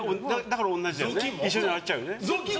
一緒になっちゃうよね。